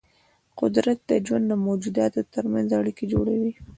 قدرت د ژوندي موجوداتو ترمنځ اړیکې جوړوي.